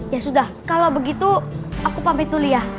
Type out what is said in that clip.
ya sudah kalau begitu aku pamit dulu ya